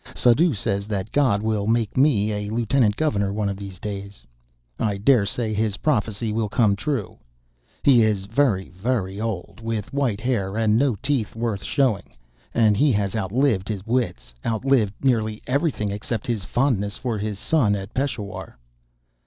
Suddhoo says that God will make me a Lieutenant Governor one of these days. I daresay his prophecy will come true. He is very, very old, with white hair and no teeth worth showing, and he has outlived his wits outlived nearly everything except his fondness for his son at Peshawar.